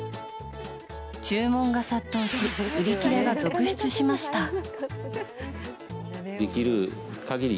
注文が殺到し売り切れが続出しました。